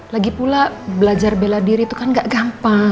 lagi pula belajar bela diri itu kan gak gampang